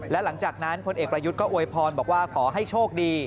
และหลังจากนั้นพลเอกประยุทธ์ก็อวยพรบอกว่าขอให้โชคดี